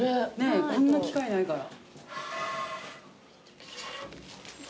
こんな機会ないから。